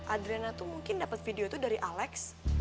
adriana tuh mungkin dapat video tuh dari alex